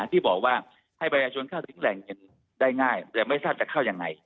ที่บอกว่าให้ประชาชนเข้าถึงแหล่งเงินได้ง่ายแต่ไม่ทราบจะเข้ายังไง